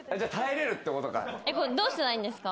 これどうしたらいいんですか？